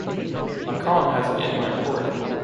Mâcon has an inland port.